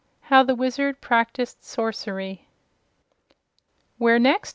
How the Wizard Practiced Sorcery "Where next?"